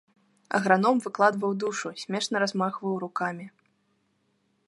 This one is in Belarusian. Аграном выкладваў душу, смешна размахваў рукамі.